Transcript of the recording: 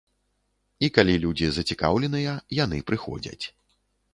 І калі людзі зацікаўленыя, яны прыходзяць.